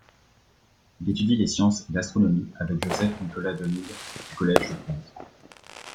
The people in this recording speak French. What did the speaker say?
Il étudie les sciences et l’astronomie, avec Joseph-Nicolas Delisle du Collège de France.